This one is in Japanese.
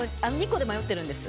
２個で迷ってるんです。